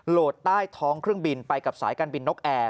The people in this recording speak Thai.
โหลดใต้ท้องเครื่องบินไปกับสายการบินนกแอร์